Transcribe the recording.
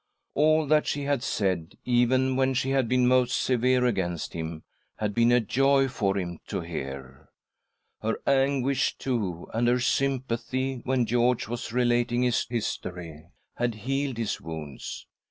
All that she had said, even when she had been most severe against him, had been a joy for him to hear ; her anguish, too, and her sympathy, when George was relating his history, had healed his wounds.